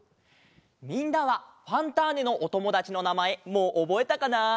みんなは「ファンターネ！」のおともだちのなまえもうおぼえたかな？